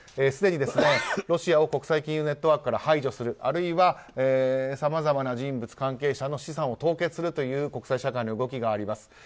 すでにロシアを国際金融ネットワークから排除する、あるいはさまざまな人物、関係者の資産を凍結するという国際社会の動きがあります。